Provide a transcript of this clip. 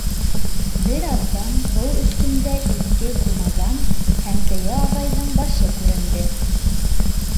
Бер аҙҙан һыу өҫтөндә кескәй сумаҙан һәм теге ағайҙың башы күренде.